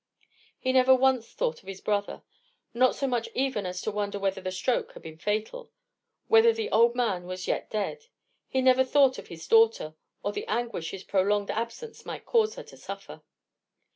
He never once thought of his brother: not so much even as to wonder whether the stroke had been fatal,—whether the old man was yet dead. He never thought of his daughter, or the anguish his prolonged absence might cause her to suffer.